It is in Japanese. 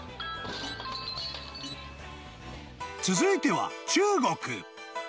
［続いては中国］